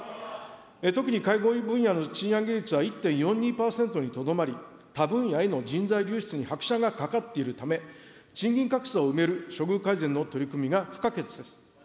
特に介護分野の賃上げ率は１．４２％にとどまり、他分野への人材流出に拍車がかかっているため、賃金格差を埋める処遇改善の取り組みが不可欠です。